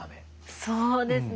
そうですね